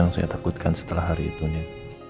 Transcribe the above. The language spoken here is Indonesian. yang saya takutkan setelah hari itu nih